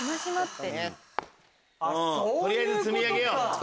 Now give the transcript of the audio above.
取りあえず積み上げよう。